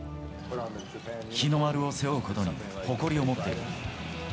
日の丸を背負うことに誇りを持っている。